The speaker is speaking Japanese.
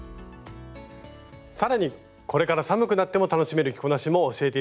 更にこれから寒くなっても楽しめる着こなしも教えて頂きましょう。